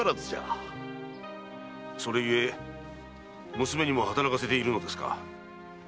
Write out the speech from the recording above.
それ故娘にも働かせているのですか？